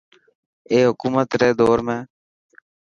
اي حڪومت ري دور ۾.